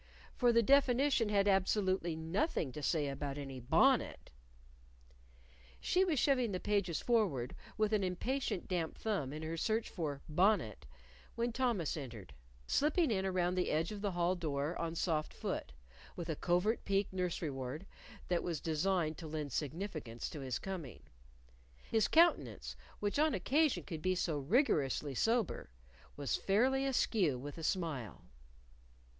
For the definition had absolutely nothing to say about any bonnet. She was shoving the pages forward with an impatient damp thumb in her search for Bonnet, when Thomas entered, slipping in around the edge of the hall door on soft foot with a covert peek nursery ward that was designed to lend significance to his coming. His countenance, which on occasion could be so rigorously sober, was fairly askew with a smile.